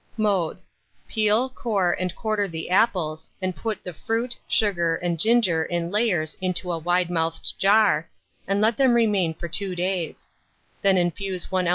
Mode. Peel, core, and quarter the apples, and put the fruit, sugar, and ginger in layers into a wide mouthed jar, and let them remain for 2 days; then infuse 1 oz.